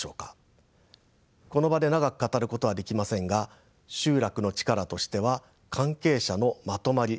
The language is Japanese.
この場で長く語ることはできませんが集落の力としては関係者のまとまり